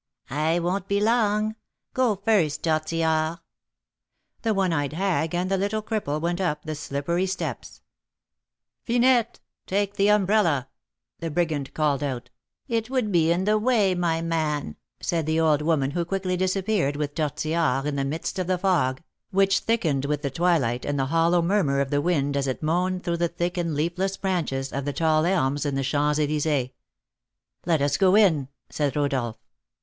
"I won't be long. Go first, Tortillard." The one eyed hag and the little cripple went up the slippery steps. "Finette, take the umbrella," the brigand called out. [Illustration: "'Ah, Here is the 'Darling One'!'" Original Etching by Adrian Marcel] "It would be in the way, my man," said the old woman, who quickly disappeared with Tortillard in the midst of the fog, which thickened with the twilight, and the hollow murmur of the wind as it moaned through the thick and leafless branches of the tall elms in the Champs Elysées. "Let us go in," said Rodolph.